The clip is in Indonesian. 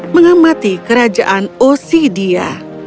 mengamati kerajaan ossidia